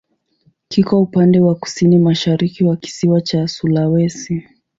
Kiko upande wa kusini-mashariki wa kisiwa cha Sulawesi.